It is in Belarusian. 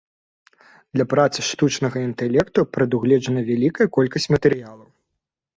Для працы штучнага інтэлекту прадугледжана вялікая колькасць матэрыялу.